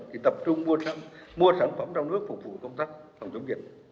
thì tập trung mua sản phẩm trong nước phục vụ công tác phòng chống dịch